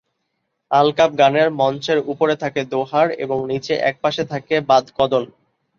আলকাপ গানের মঞ্চের উপরে থাকে দোহার এবং নিচে একপাশে থাকে বাদকদল।